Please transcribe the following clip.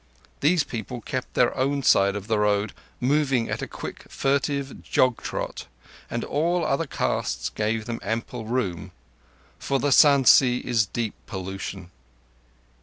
These people kept their own side of the road, moving at a quick, furtive jog trot, and all other castes gave them ample room; for the Sansi is deep pollution.